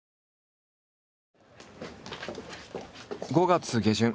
５月下旬。